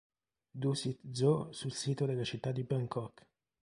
Dusit Zoo sul sito della città di Bangkok.